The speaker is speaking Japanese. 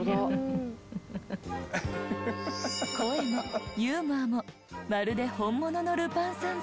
声もユーモアもまるで本物のルパン三世。